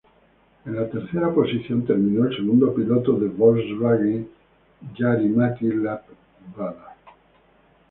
En la tercera posición terminó el segundo piloto de Volkswagen, Jari-Matti Latvala.